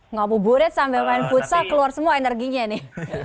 ngabuburit sambil main futsal keluar semua energinya nih